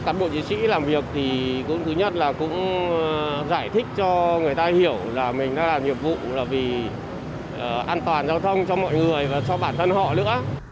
các cán bộ chiến sĩ làm việc thì thứ nhất là cũng giải thích cho người ta hiểu là mình đã làm nhiệm vụ là vì an toàn giao thông cho mọi người và cho bản thân họ nữa